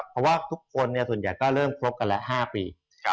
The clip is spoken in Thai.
เพราะว่าทุกคนส่วนใหญ่ก็เริ่มครบกันแล้ว๕ปี